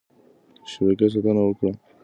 د شبکې ساتنه وکړه.